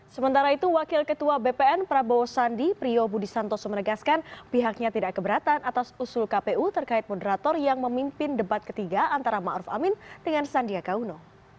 sementara itu wakil ketua bpn prabowo sandi prio budi santoso menegaskan pihaknya tidak keberatan atas usul kpu terkait moderator yang memimpin debat ketiga antara ⁇ maruf ⁇ amin dengan sandiaga uno